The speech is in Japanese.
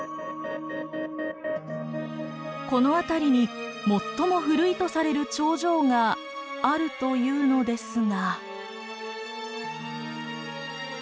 この辺りに最も古いとされる長城があるというのですが。